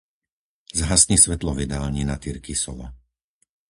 Zhasni svetlo v jedálni na tyrkysovo.